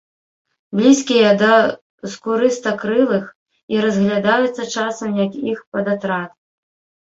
Блізкія да скурыстакрылых і разглядаюцца часам як іх падатрад.